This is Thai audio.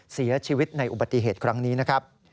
เสียชีวิตในอุบัติเหตุครั้งนี้นะครับ